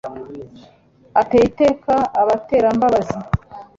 ateye iteka abaterambabazi